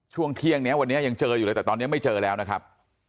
ช่วงเที่ยงนี้วันนี้ยังเจออยู่เลยแต่ตอนนี้ไม่เจอแล้วนะครับ